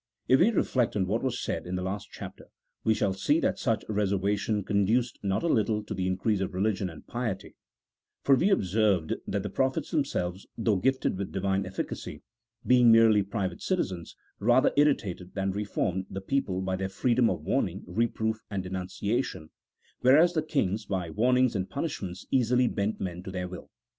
If we reflect on what was said in the last chapter we shall see that such reservation conduced not a little to the in crease of religion and piety; for we observed that the prophets themselves, though gifted with Divine efficacy, being merely private citizens, rather irritated than reformed the people by their freedom of warning, reproof, and denun ciation, whereas the kings by warnings and punishments easily bent men to their will.